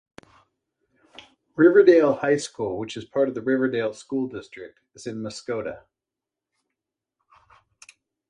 Riverdale High School, which is part of the Riverdale School District, is in Muscoda.